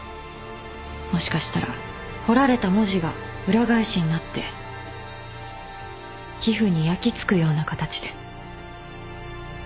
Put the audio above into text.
もしかしたら彫られた文字が裏返しになって皮膚に焼き付くような形で。